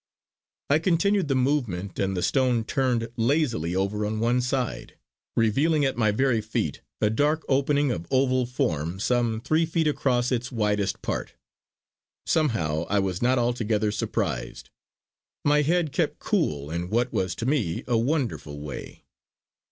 I continued the movement and the stone turned lazily over on one side, revealing at my very feet a dark opening of oval form some three feet across its widest part. Somehow I was not altogether surprised; my head kept cool in what was to me a wonderful way.